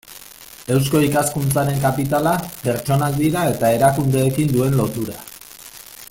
Eusko Ikaskuntzaren kapitala pertsonak dira eta erakundeekin duen lotura.